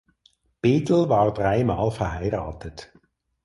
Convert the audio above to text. Biddle war drei Mal verheiratet.